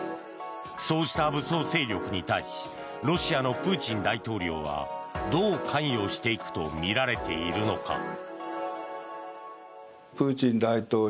そうした武装勢力に対しロシアのプーチン大統領はどう関与していくとみられているのか。